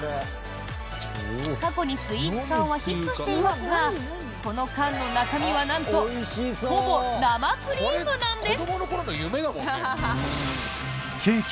過去にスイーツ缶はヒットしていますがこの缶の中身は、なんとほぼ生クリームなんです！